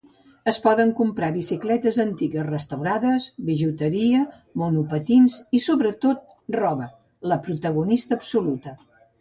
Es poden comprar bicicletes antigues restaurades, bijuteria, monopatins i, sobretot, roba, la protagonista absoluta.